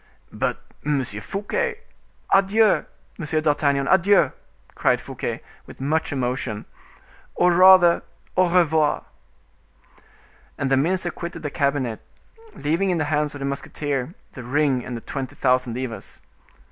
"But, Monsieur Fouquet—" "Adieu! Monsieur d'Artagnan, adieu!" cried Fouquet, with much emotion; "or rather, au revoir." And the minister quitted the cabinet, leaving in the hands of the musketeer the ring and the twenty thousand livres.